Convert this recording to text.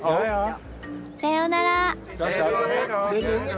さようなら。